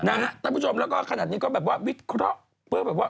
นะครับท่านผู้ชมแล้วก็ขนาดนี้ก็แบบว่าวิเคราะห์